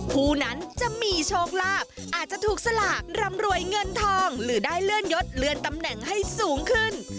ผู้นั้นจะมีโชคลาภอาจจะถูกสลากรำรวยเงินทองหรือได้เลื่อนยศเลื่อนตำแหน่งให้สูงขึ้น